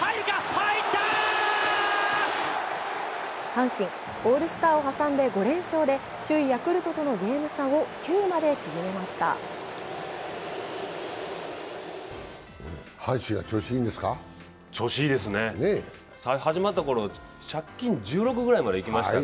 阪神、オールスターを挟んで５連勝で首位ヤクルトとのゲーム差を９まで縮めました。